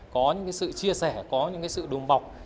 có những cái sự chia sẻ có những cái sự đùm bọc